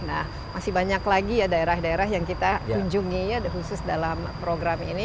nah masih banyak lagi ya daerah daerah yang kita kunjungi khusus dalam program ini